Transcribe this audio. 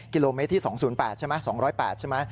กิโลเมตรที่๒๐๘ใช่ไหม